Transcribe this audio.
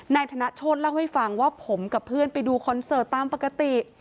ธนโชธเล่าให้ฟังว่าผมกับเพื่อนไปดูคอนเสิร์ตตามปกติ